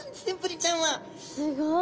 すごい。